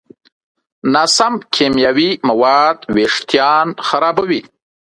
ناسم کیمیاوي مواد وېښتيان خرابوي.